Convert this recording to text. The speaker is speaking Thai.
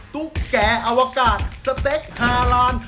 ตุ๊กแก่อวกาศสเต็กฮาลาน